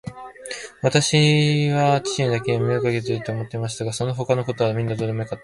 わたしは父にだけは面倒をかけまいと思っていましたが、そのほかのことはみんなどうでもよかったのです。